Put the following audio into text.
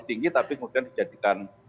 tinggi tapi kemudian dijadikan